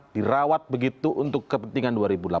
dirawat begitu untuk kepentingan dua ribu delapan belas